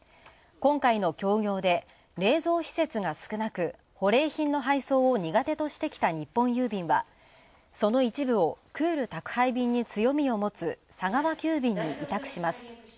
今回の協業で冷蔵施設が少なく保冷品の配送を苦手としてきた日本郵便はその一部をクール宅配便に強みを持つ佐川急便に委託します。